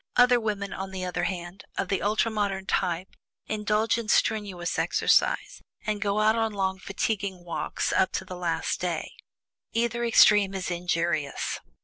Other women, on the other hand, of the ultra modern type, indulge in strenuous exercise, and go out on long fatiguing walks up to the last day. Either extreme is injurious.